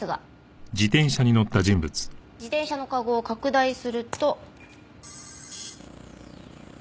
自転車のかごを拡大すると。